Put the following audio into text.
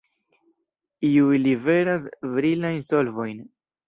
Iuj liveras brilajn solvojn.